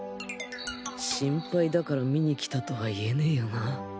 心配だから見にきたとは言えねえよなぁ